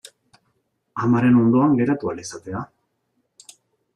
Amaren ondoan geratu ahal izatea.